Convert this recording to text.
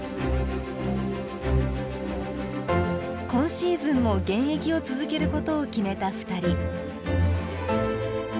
今シーズンも現役を続けることを決めた２人。